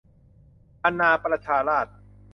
อาณาประชาราษฎร์